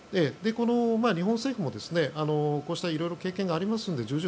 日本政府もこうした色々、経験がありますので重々